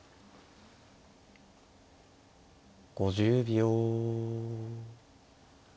５０秒。